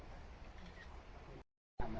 สวัสดีครับ